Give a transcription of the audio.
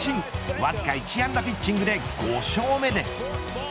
わずか１安打ピッチングで５勝目です。